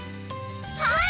はい！